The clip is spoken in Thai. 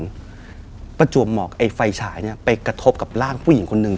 ย์ประจวบเหมาะไฟฉายไปกระทบกับร่างผู้หญิงคนหนึ่ง